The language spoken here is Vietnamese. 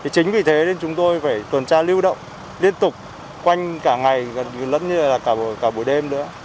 chính vì thế nên chúng tôi phải tuần tra lưu động liên tục quanh cả ngày lẫn như là cả buổi đêm nữa